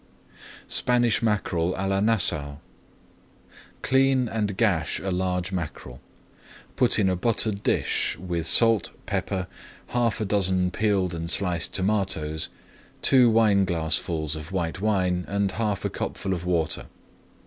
SPANISH MACKEREL À LA NASSAU Clean and gash a large mackerel. Put in a buttered dish with salt, pepper, half a dozen peeled and sliced tomatoes, two wineglassfuls of white wine and half a cupful of water.